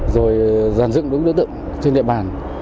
rồi dàn dựng đối tượng trên địa bàn